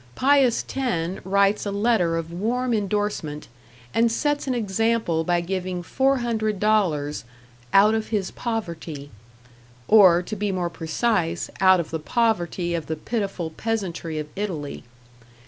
Pius X writes a letter of warm endorsement, and sets an example by giving four hundred dollars "out of his poverty" or, to be more precise, out of the poverty of the pitiful peasantry of Italy.